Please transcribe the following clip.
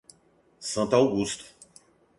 Santo Augusto